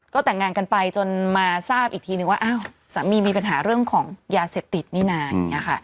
ก็แต่งงานกันไปจนมาทราบอีกทีนึงว่าอ้าวสามีมีปัญหาเรื่องของยาเสพติดนี่นานอย่างนี้ค่ะ